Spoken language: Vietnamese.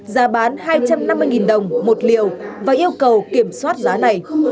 giá bán hai trăm năm mươi đồng một liều và yêu cầu kiểm soát giá này